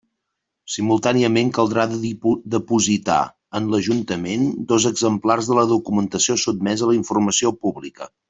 Simultàniament caldrà depositar en l'Ajuntament dos exemplars de la documentació sotmesa a informació pública.